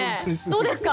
どうですか？